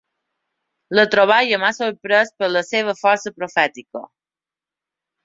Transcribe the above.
La troballa m'ha sorprès per la seva força profètica.